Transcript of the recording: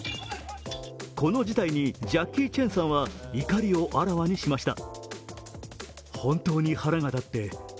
この事態にジャッキー・チェンさんは怒りをあらわにしました。